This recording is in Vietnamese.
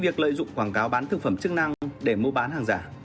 việc lợi dụng quảng cáo bán thực phẩm chức năng để mua bán hàng giả